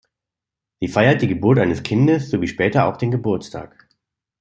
Sie feiert die Geburt eines Kindes sowie später auch den Geburtstag.